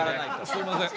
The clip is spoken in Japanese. すいません。